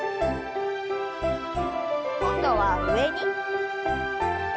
今度は上に。